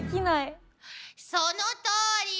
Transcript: そのとおりです。